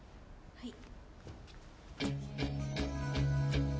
はい。